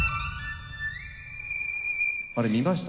あれ見ました？